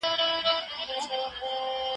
خپلې پوهې ته وده ورکړئ.